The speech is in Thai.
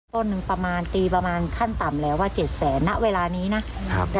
ต้นหนึ่งประมาณตีประมาณขั้นต่ำแล้วว่าเจ็ดแสนณเวลานี้นะครับ